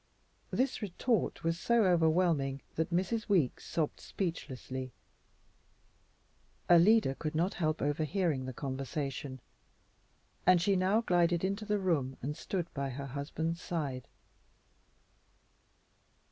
This retort was so overwhelming that Mrs. Weeks sobbed speechlessly. Alida could not help overhearing the conversation, and she now glided into the room and stood by her husband's side.